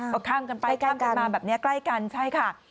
ก็ข้ามกันไปข้ามกันมาแบบนี้ใกล้กันใช่ค่ะ